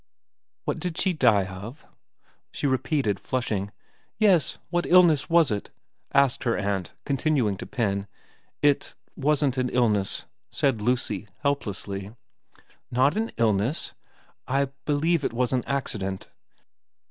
' What did she die of ?' she repeated, flushing. * Yes. What illness was it ?' asked her aunt, con tinuing to pin. ' It wasn't an illness,' said Lucy helplessly. ' Not an illness ?'' I believe it was an accident.'